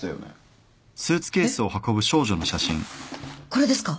これですか？